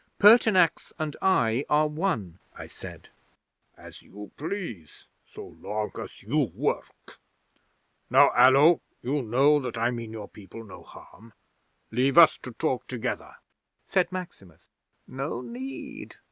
'"Pertinax and I are one," I said. '"As you please, so long as you work. Now, Allo, you know that I mean your people no harm. Leave us to talk together," said Maximus. '"No need!"